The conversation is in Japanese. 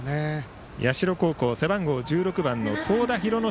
社高校背番号１６番の東田浩之